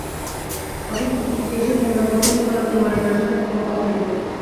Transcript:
অথচ চুক্তিতে এসব মূল্যবান খনিজ পদার্থের মালিকানা সম্পর্কে কোনো কথা নেই।